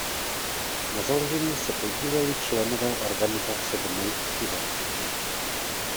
Na založení se podíleli členové organizace Bnej Akiva.